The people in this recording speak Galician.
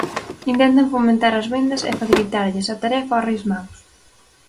Intentan fomentar as vendas e facilitarlles a tarefa aos Reis Magos.